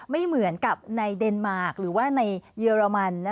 ไม่เหมือนกับในเดนมาร์คหรือว่าในเยอรมัน